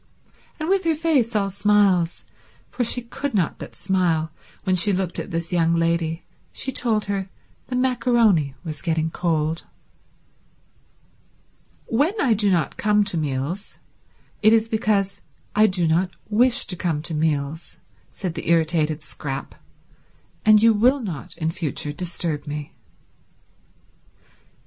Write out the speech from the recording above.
And with her face all smiles, for she could not but smile when she looked at this young lady, she told her the maccaroni was getting cold. "When I do not come to meals it is because I do not wish to come to meals," said the irritated Scrap, "and you will not in future disturb me."